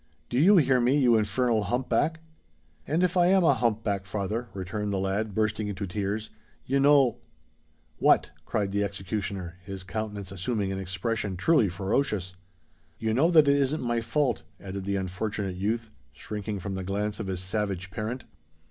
Do you hear me, you infernal hump back?" "And if I am a hump back, father," returned the lad, bursting into tears, "you know——" "What?" cried the executioner his countenance assuming an expression truly ferocious. "You know that it isn't my fault," added the unfortunate youth, shrinking from the glance of his savage parent.